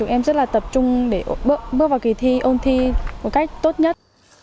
em rất là tập trung để bước vào kỳ thi ôn thi một cách tốt nhất